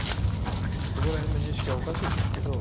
そこら辺の認識はおかしいんですけど。